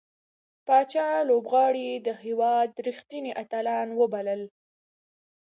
پاچا لوبغاړي د هيواد رښتينې اتلان وبلل .